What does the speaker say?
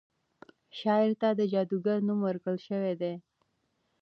شاعر ته د جادوګر نوم ورکړل شوی دی.